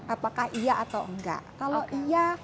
apakah iya atau enggak kalau iya